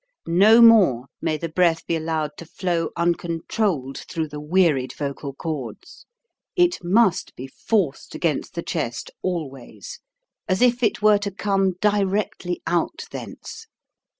No more may the breath be allowed to flow uncontrolled through the wearied vocal cords; it must be forced against the chest, always, as if it were to come directly out thence.